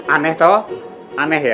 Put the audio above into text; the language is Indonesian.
aneh toh aneh ya